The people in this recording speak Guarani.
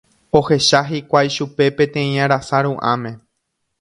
Ohecha hikuái chupe peteĩ arasa ru'ãme.